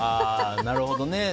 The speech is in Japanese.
なるほどね。